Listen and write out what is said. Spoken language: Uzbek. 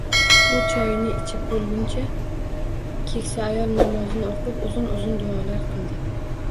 U choyini ichib bo`lguncha keksa ayol namozini o`qib, uzun-uzun duolar qildi